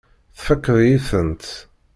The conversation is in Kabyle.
Tfakkeḍ-iyi-tent.